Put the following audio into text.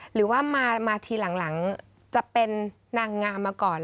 หรือว่ามาทีหลังจะเป็นนางงามมาก่อน